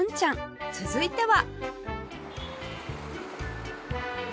続いては